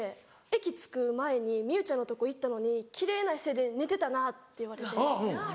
「駅着く前に望結ちゃんのとこ行ったのに奇麗な姿勢で寝てたな」って言われて。